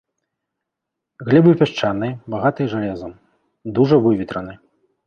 Глебы пясчаныя, багатыя жалезам, дужа выветраны.